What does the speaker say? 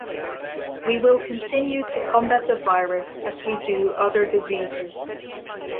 We will continue to combat the virus as we do other diseases.